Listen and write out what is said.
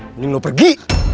mending lo pergi